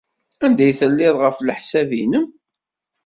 Anda ay telliḍ, ɣef leḥsab-nnem?